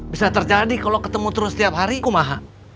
bisa terjadi kalau ketemu terus tiap hari kumaha